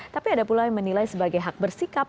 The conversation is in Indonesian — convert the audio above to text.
tapi ada pula yang menilai sebagai hak bersikap